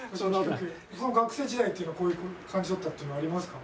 学生時代っていうのはこういう感じだったっていうのありますか？